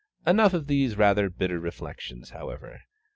Enough of these rather bitter reflections, however.